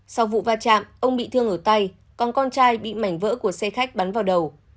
sau vụ va chạm ông bị thương ở tay còn con trai bị mảnh vỡ của xe khách bắn vào đầu